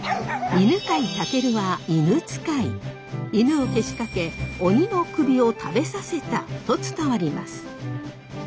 犬をけしかけ鬼の首を食べさせたと伝わります。